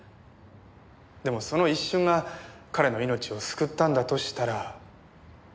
でもその一瞬が彼の命を救ったんだとしたら。